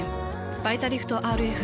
「バイタリフトＲＦ」。